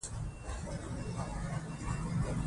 واک باید د اخلاقو پابند وي.